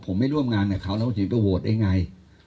ผมไม่ร่วมงานกับเขาแล้วถึงจะโหวตได้ไง